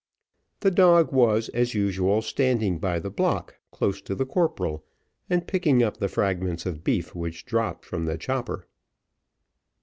The dog was, as usual, standing by the block close to the corporal, and picking up the fragments of beef which dropped from the chopper.